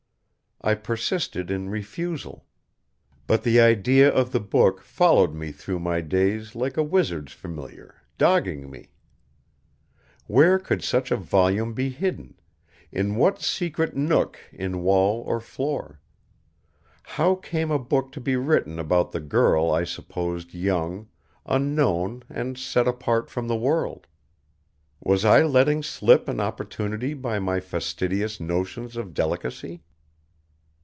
I persisted in refusal. But the idea of the book followed me through my days like a wizard's familiar dogging me. Where could such a volume be hidden, in what secret nook in wall or floor? How came a book to be written about the girl I supposed young, unknown and set apart from the world? Was I letting slip an opportunity by my fastidious notions of delicacy?